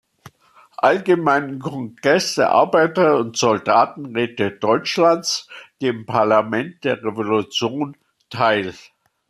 Allgemeinen Kongreß der Arbeiter- und Soldatenräte Deutschlands“, dem Parlament der Revolution, teil.